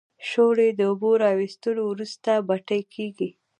شولې د اوبو را وېستلو وروسته بټۍ کیږي.